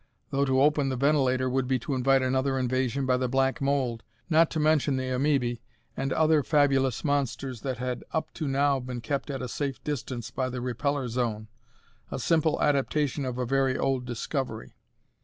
Though to open the ventilator would be to invite another invasion by the black mold, not to mention the amoebae and other fabulous monsters that had up to now been kept at a safe distance by the repeller zone, a simple adaptation of a very old discovery.